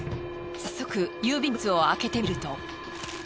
早速郵便物を開けてみると。